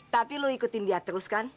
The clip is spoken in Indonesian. tapi lo ikutin dia terus kan